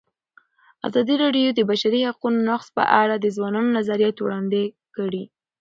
ازادي راډیو د د بشري حقونو نقض په اړه د ځوانانو نظریات وړاندې کړي.